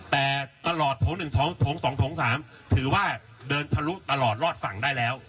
แต่ตลอดถงหนึ่งถงสองถงสามถือว่าเดินทะลุตลอดรอดฝั่งได้แล้ว